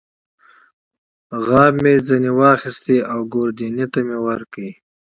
غاب مې ترې واخیست او ګوردیني ته مې ورکړ.